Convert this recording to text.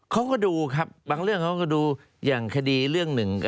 เขาก็ดูครับบางเรื่องเขาก็ดูอย่างคดีเรื่องหนึ่ง